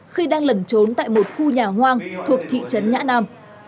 khi đang lẩn trốn tại một khu nhà hoang thuộc thị trấn nhã nam